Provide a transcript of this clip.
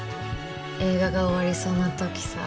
映画が終わりそうな時さ。